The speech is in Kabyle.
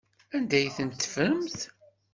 Anda ay ten-teffremt?